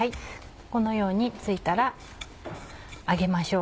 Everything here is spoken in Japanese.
このように付いたら揚げましょう。